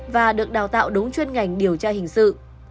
và được đào tạo đúng chuyên ngành điều tra hình sự